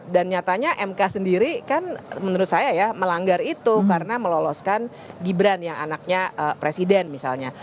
dan nyatanya mk sendiri kan menurut saya ya melanggar itu karena meloloskan gibran yang anaknya presiden misalnya